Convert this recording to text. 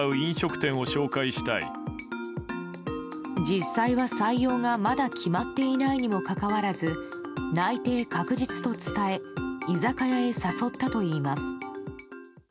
実際は採用が、まだ決まっていないにもかかわらず内定確実と伝え居酒屋へ誘ったといいます。